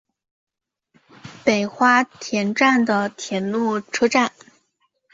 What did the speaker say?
北花田站的铁路车站。